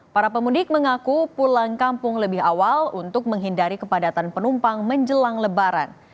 para pemudik mengaku pulang kampung lebih awal untuk menghindari kepadatan penumpang menjelang lebaran